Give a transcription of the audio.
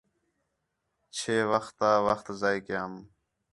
چھے وخت تا وخت ضائع کیام